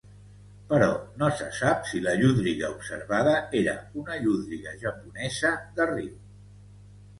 Però no se sap si la llúdriga observada era una llúdriga japonesa de riu.